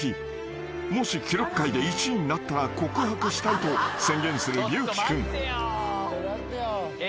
［もし記録会で１位になったら告白したいと宣言する龍樹君］